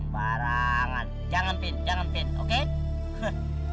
barangan jangan vin jangan vin oke